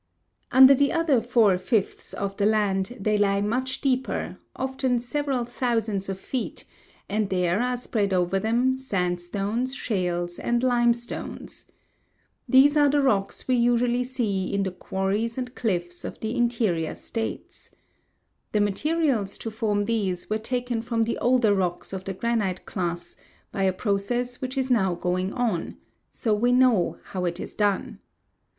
Under the other four fifths of the land they lie much deeper, often several thousands of feet, and there are spread over them sandstones, shales, and limestones. These are the rocks we usually see in the quarries and cliffs of the interior states. The materials to form these were taken from the older rocks of the granite class by a process which is now going on so we know how it is done.